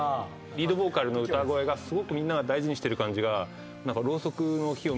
リードボーカルの歌声がすごくみんなが大事にしてる感じが。